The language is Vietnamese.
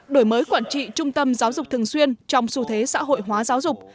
đổi mới quản trị trung tâm giáo dục thường xuyên trong xu thế xã hội hóa giáo dục